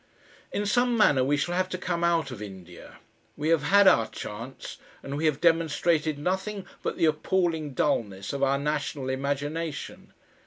In some manner we shall have to come out of India. We have had our chance, and we have demonstrated nothing but the appalling dulness of our national imagination.